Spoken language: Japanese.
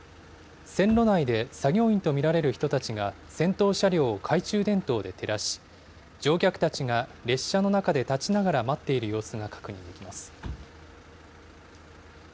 線路内で作業員と見られる人たちが、先頭車両を懐中電灯で照らし、乗客たちが列車の中で立ちながら待っている様子が確認できます。